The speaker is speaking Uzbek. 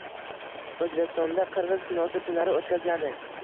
O‘zbekistonda Qirg‘iz kinosi kunlari o‘tkaziladi